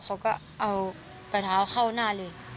เขาก็เอาปลายเท้าเข้าหน้าเลย